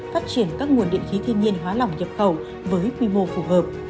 phát triển các nguồn điện khí thiên nhiên hóa lỏng nhập khẩu với quy mô phù hợp